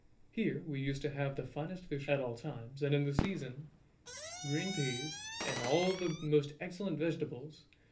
Here we used to have the finest fish at all times; and in the season, green peas, and all the most excellent vegetables.